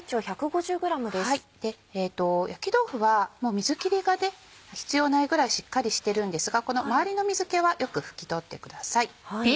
焼き豆腐は水切りが必要ないぐらいしっかりしてるんですが回りの水気はよく拭き取ってください。